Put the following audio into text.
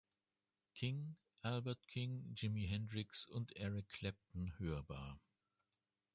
King, Albert King, Jimi Hendrix und Eric Clapton hörbar.